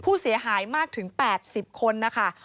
ผู้เสียหายมากถึง๘๐คนนะคะ